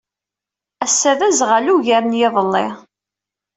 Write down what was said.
Ass-a d aẓɣal ugar n yiḍelli.